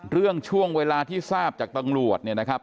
ช่วงเวลาที่ทราบจากตำรวจเนี่ยนะครับ